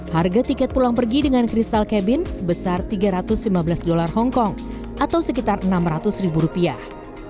harga tiket pulang pergi dengan kristal cabin sebesar tiga ratus lima belas dolar hongkong atau sekitar enam ratus ribu rupiah